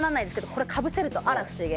これかぶせるとあら不思議。